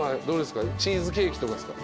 チーズケーキとかですか？